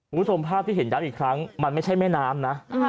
คุณผู้ชมภาพที่เห็นย้ำอีกครั้งมันไม่ใช่แม่น้ำนะ